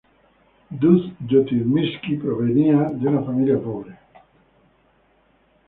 Duz-Jotimirski provenía de una familia pobre.